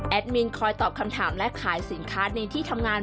มินคอยตอบคำถามและขายสินค้าในที่ทำงาน